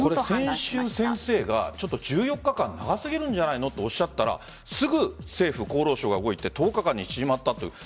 先週、先生が１４日間って長すぎんじゃないかとおっしゃったらすぐ政府が動いて１０日間に縮まったと。